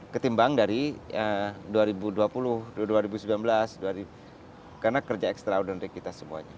ketimbang dari dua ribu dua puluh dua ribu sembilan belas karena kerja extraordinand dari kita semuanya